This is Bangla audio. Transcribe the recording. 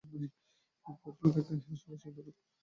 পোর্ট বেল লেক ভিক্টোরিয়া এর আশপাশে দূরে অবস্থিত।